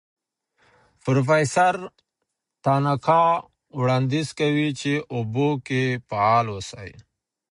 پروفیسور تاناکا وړاندیز کوي په اوبو کې فعال اوسئ.